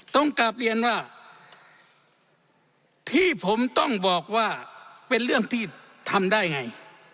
ต้องกลับเรียนว่าที่ผมต้องบอกว่าเป็นเรื่องที่ทำได้ไง